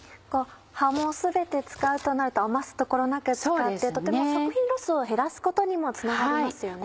葉も全て使うとなると余すところなく使ってとても食品ロスを減らすことにもつながりますよね。